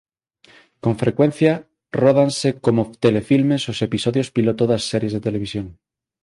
Con frecuencia ródanse como telefilmes os episodios piloto das series de televisión.